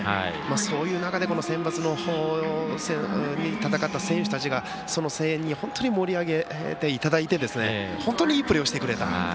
そういう中でセンバツを戦った選手たちがその声援に盛り上げていただいて本当にいいプレーをしてくれた。